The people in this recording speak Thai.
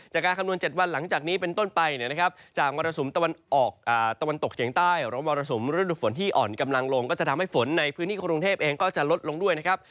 คำนวณ๗วันหลังจากนี้เป็นต้นไปเนี่ยนะครับจากมรสุมตะวันออกตะวันตกเฉียงใต้หรือว่ามรสุมฤดูฝนที่อ่อนกำลังลงก็จะทำให้ฝนในพื้นที่กรุงเทพเองก็จะลดลงด้วยนะครับ